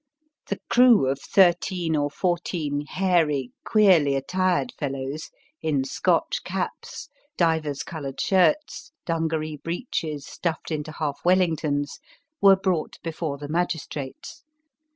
The crew of thirteen or fourteen hairy, queerly attired fellows, in Scotch caps, divers coloured shirts, dungaree breeches stuffed into half Wellingtons, were brought before the magis trates.